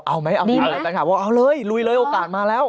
เอาไหมเอาแฟนคลับบอกเอาเลยลุยเลยโอกาสมาแล้ว